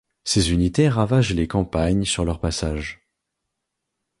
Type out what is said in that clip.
Ses unités ravagent les campagnes sur leur passage.